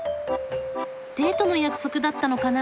デートの約束だったのかな？